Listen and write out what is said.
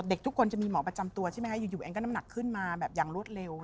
เด็กทุกคนจะมีหมอประจำตัวใช่ไหมคะอยู่แอนก็น้ำหนักขึ้นมาแบบอย่างรวดเร็ว